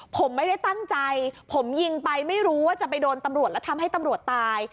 ผมไม่ได้ตั้งใจผมยิงไปไม่รู้ว่าจะไปโดนตำรวจแล้วทำให้ตำรวจตาย